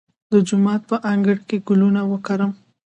د جومات په انګړ کې ګلونه وکرم؟